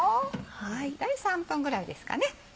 大体３分ぐらいですかね。